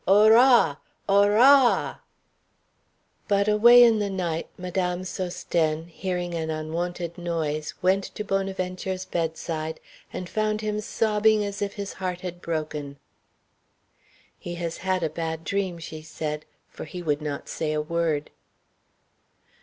Or r ra! Ora a a a!" But away in the night Madame Sosthène, hearing an unwonted noise, went to Bonaventure's bedside and found him sobbing as if his heart had broken. "He has had a bad dream," she said; for he would not say a word.